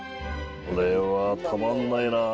これはたまんないなあ。